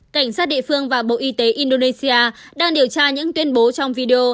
cảnh sát địa phương và bộ y tế indonesia đang điều tra những tuyên bố trong video